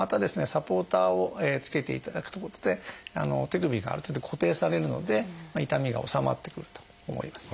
サポーターをつけていただくということで手首がある程度固定されるので痛みが治まってくると思います。